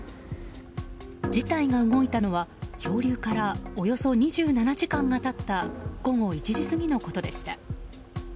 事態が動いたのは漂流からおよそ２７時間が経った午後１時過ぎのことでした。